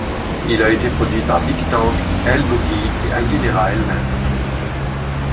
Il a été produit par Big Tank, L Boogie, et Aguilera elle-même.